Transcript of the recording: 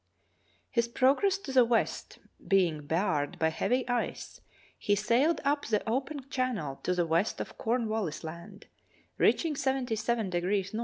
His progress to the west being barred by heav}' ice, he sailed up the open channel to the west of Cornwallis Land, reaching ']']'^ N.